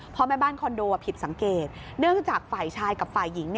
พ่อแม่บ้านคอนโดผิดสังเกตเนื่องจากฝ่ายชายกับฝ่ายหญิง